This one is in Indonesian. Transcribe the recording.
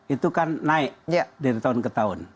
itu kan naik dari tahun ke tahun